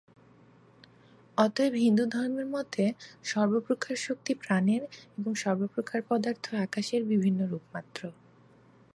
অতএব হিন্দুদের মতে সর্বপ্রকার শক্তি প্রাণের এবং সর্বপ্রকার পদার্থ আকাশের বিভিন্ন রূপমাত্র।